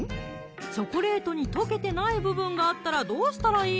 チョコレートに溶けてない部分があったらどうしたらいい？